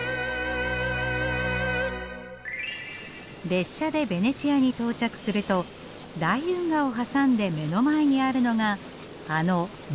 列車でベネチアに到着すると大運河を挟んで目の前にあるのがあの緑色のドーム。